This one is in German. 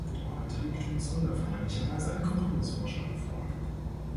Heute liegt uns nun erfreulicherweise ein Kompromissvorschlag vor.